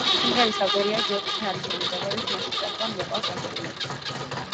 სიმღერის ავტორია ჯორჯ ჰარისონი, რომელიც მასში წამყვან ვოკალს ასრულებს.